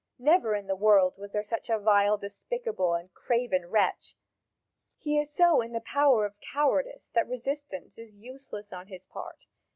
Never in the world was there such a vile, despicable, and craven wretch! He is so in the power of cowardice that resistance is useless on his part."